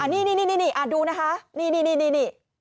นี่ดูนะคะนี่